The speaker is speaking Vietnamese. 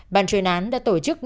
ban chuyên án đã tổ chức